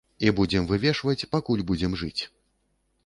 І будзем вывешваць, пакуль будзем жыць.